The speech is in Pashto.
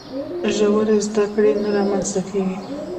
ژورې زده کړې نه رامنځته کیږي.